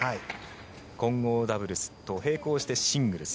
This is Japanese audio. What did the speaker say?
混合ダブルスと並行してシングルス。